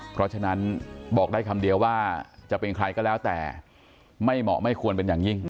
เพราะฉะนั้นบอกได้คำเดียวว่าจะเป็นใครก็แล้วแต่ไม่เหมาะไม่ควรเป็นอย่างยิ่ง